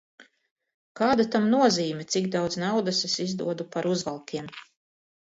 Kāda tam nozīme, cik daudz naudas es izdodu par uzvalkiem?